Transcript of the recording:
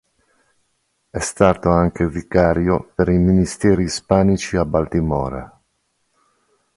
È stato anche vicario per i ministeri ispanici a Baltimora.